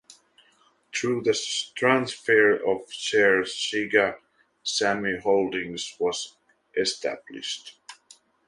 Through the transference of shares, Sega Sammy Holdings was established.